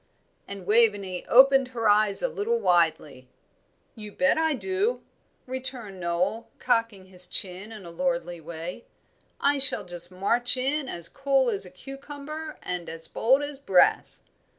and Waveney opened her eyes a little widely. "You bet I do," returned Noel, cocking his chin in a lordly way. "I shall just march in as cool as a cucumber, and as bold as brass.